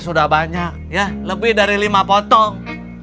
sudah banyak ya lebih dari lima potong